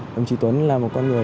đồng chí tuấn là một con người